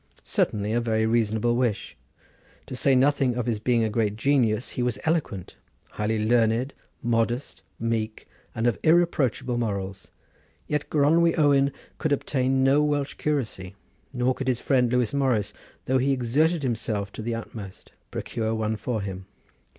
Certainly a very reasonable wish. To say nothing of his being a great genius, he was eloquent, highly learned, modest, meek and of irreproachable morals, yet Gronwy Owen could obtain no Welsh curacy, nor could his friend Lewis Morris, though he exerted himself to the utmost, procure one for him.